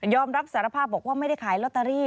อมรับสารภาพบอกว่าไม่ได้ขายลอตเตอรี่